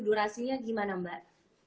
durasinya gimana mbak